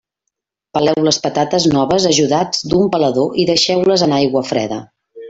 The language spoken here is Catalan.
Peleu les patates noves ajudats d'un pelador i deixeu-les en aigua freda.